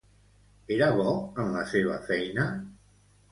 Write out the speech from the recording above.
Era bo en la seva feina?